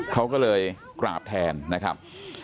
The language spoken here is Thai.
เขาก็เลยกราบแทนนะครับ